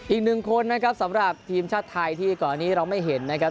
อีกหนึ่งคนนะครับสำหรับทีมชาติไทยที่ก่อนอันนี้เราไม่เห็นนะครับ